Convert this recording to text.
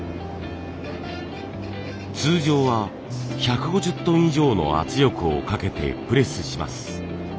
通常は１５０トン以上の圧力をかけてプレスします。